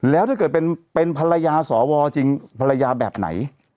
แล้วถ้าเกิดเป็นภรรยาสวจริงภรรยาแบบไหน